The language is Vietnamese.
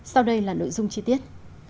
sau đây là nội dung chi tiết